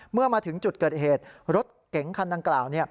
เมื่อมาถึงจุดเกิดเหตุรถเก๋งคันดังกล่าว